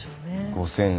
５，０００